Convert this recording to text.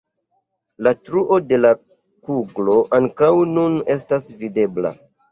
La truo de la kuglo ankaŭ nun estas videbla.